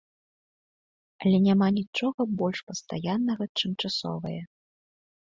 Але няма нічога больш пастаяннага, чым часовае.